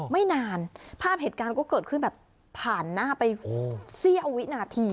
ไม่นานภาพเหตุการณ์ก็เกิดขึ้นแบบผ่านหน้าไปเสี้ยววินาที